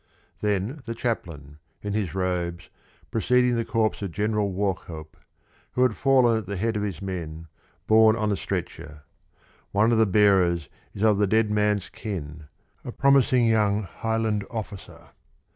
Then the chaplain, in his robes, preceding the corpse of General Wauchope (who had fallen at the head of his men), borne on a stretcher. One of the bearers is of the dead man's kin a promising young Highland officer.